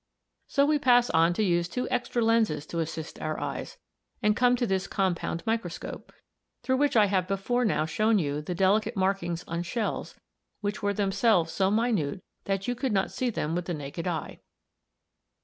So we pass on to use two extra lenses to assist our eyes, and come to this compound microscope (Fig. 14) through which I have before now shown you the delicate markings on shells which were themselves so minute that you could not see them with the naked eye.